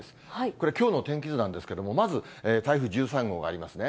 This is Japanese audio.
これ、きょうの天気図なんですけれども、まず台風１３号がありますね。